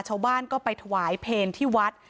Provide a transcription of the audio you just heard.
ชาวบ้านก็ไปถวายเพลที่วัด